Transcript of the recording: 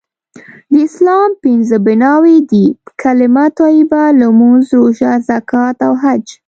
د اسلام پنځه بنأوي دي.کلمه طیبه.لمونځ.روژه.زکات.او حج